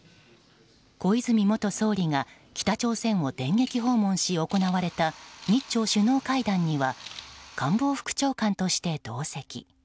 小泉元総理が北朝鮮を電撃訪問し行われた日朝首脳会談には官房副長官として同席。